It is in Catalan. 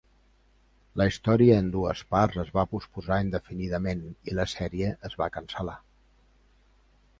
La història en dues parts es va posposar indefinidament i la sèrie es va cancel·lar.